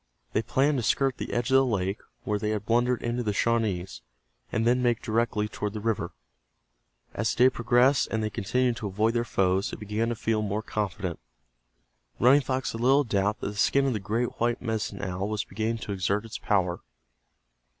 They planned to skirt the edge of the lake where they had blundered into the Shawnees, and then make directly toward the river. As the day progressed and they continued to avoid their foes they began to feel more confident. Running Fox had little doubt that the skin of the great white Medicine Owl was beginning to exert its power.